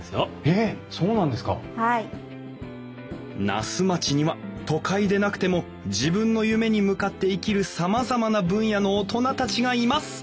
「那須町には都会でなくても自分の夢に向かって生きるさまざまな分野の大人たちがいます」。